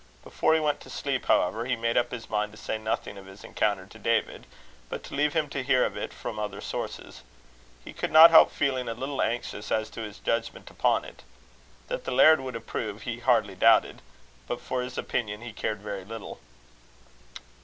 Before he went to sleep, however, he made up his mind to say nothing of his encounter to David, but to leave him to hear of it from other sources. He could not help feeling a little anxious as to his judgment upon it. That the laird would approve, he hardly doubted; but for his opinion he cared very little.